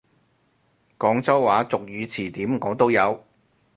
廣州話俗語詞典我都有！